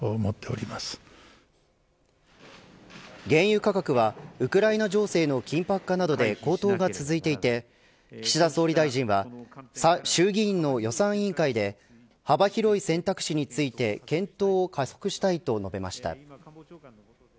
原油価格はウクライナ情勢の緊迫化などで高騰が続いていて岸田総理大臣は衆議院の予算委員会で幅広い選択肢について検討を加速したいと述べました。